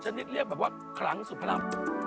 ชนิดเรียกแบบว่าครั้งสุพรรภ